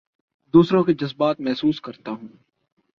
دوسروں کے جذبات محسوس کرتا ہوں